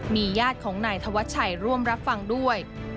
มีญาติของนายธวัชชัยร่วมรับฟังด้วย